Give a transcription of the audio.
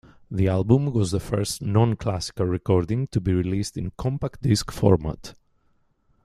The album was the first non-classical recording to be released in compact disc format.